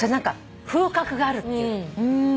風格があるっていうの？